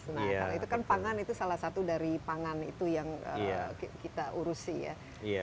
nah karena itu kan pangan itu salah satu dari pangan itu yang kita urusi ya